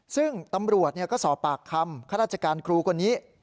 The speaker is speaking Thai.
ซึ่งตำรวจก็สอบปากคำข้าราชการครูคนนี้